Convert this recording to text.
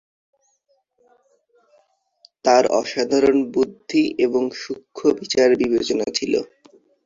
তাঁর অসাধারণ বুদ্ধি এবং সূক্ষ্ম বিচার বিবেচনা ছিল।